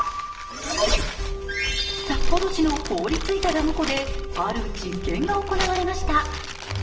札幌市の凍りついたダム湖で、ある実験が行われました。